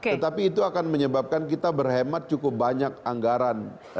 tetapi itu akan menyebabkan kita berhemat cukup banyak anggaran